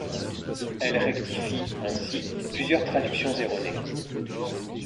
Elle rectifie, ainsi, plusieurs traductions erronées.